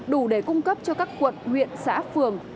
đủ để cung cấp cho các quận huyện xã phường